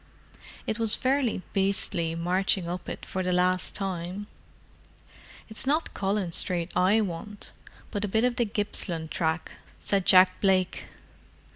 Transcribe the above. It was fairly beastly marching up it for the last time." "It's not Collins Street I want, but a bit of the Gippsland track," said Jack Blake.